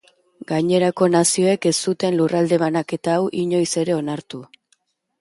Gainerako nazioek ez zuten lurralde banaketa hau inoiz ere onartu.